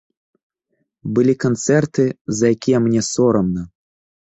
Былі канцэрты, за якія мне сорамна.